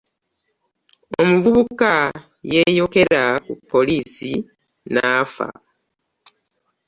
Omuvubuka yeeyookera ku poliisi n'afa.